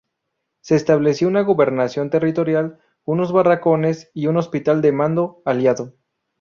Se estableció una gobernación territorial, unos barracones y un hospital de mando aliado.